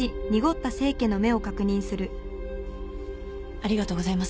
ありがとうございます。